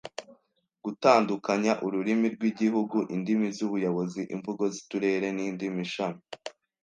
Gutandukanya ururimi rw’Igihugu, indimi z’ubuyobozi, imvugo z’uturere n’indimi shami